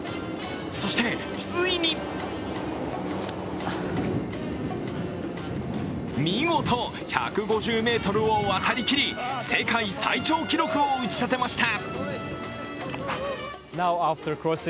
そして、ついに見事、１５０ｍを渡りきり世界最長記録を打ち立てました。